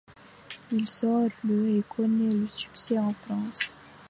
Il sort le et connaît le succès en France.